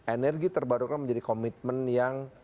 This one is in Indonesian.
energi terbarukan menjadi komitmen yang